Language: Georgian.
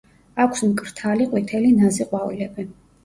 აქვს მკრთალი ყვითელი ნაზი ყვავილები.